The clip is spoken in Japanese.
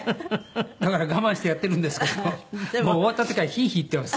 だから我慢してやってるんですけどもう終わった時はヒイヒイ言ってます。